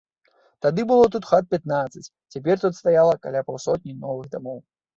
Тады было тут хат пятнаццаць, цяпер тут стаяла каля паўсотні новых дамоў.